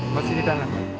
masih di tengah